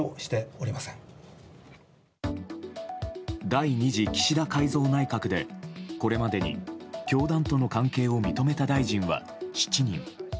第２次岸田改造内閣でこれまでに教団との関係を認めた大臣は７人。